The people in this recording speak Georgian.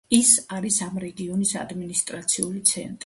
ის არის ამ რეგიონის ადმინისტრაციული ცენტრი.